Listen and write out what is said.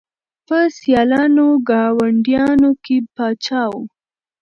په سیالانو ګاونډیانو کي پاچا وو